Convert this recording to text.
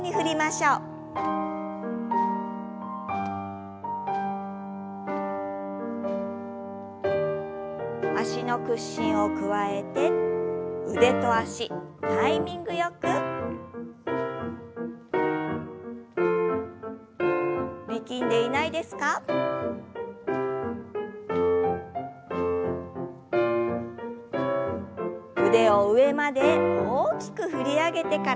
腕を上まで大きく振り上げてから力を抜いて。